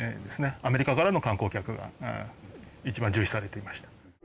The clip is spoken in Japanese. アメリカからの観光客が一番重視されていました。